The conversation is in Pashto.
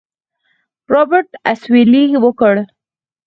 رابرټ اسويلى وکړ.